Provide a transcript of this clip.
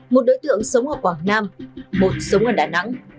một đối tượng sống ở quảng nam một sống ở đà nẵng